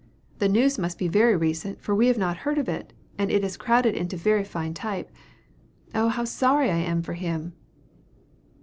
The news must be very recent, for we had not heard of it; and it is crowded into very fine type. Oh, how sorry I am for him!"